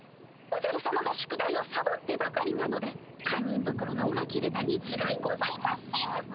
おじゃるさまが宿題をさぼってばかりなのでかんにんぶくろのおが切れたにちがいございません。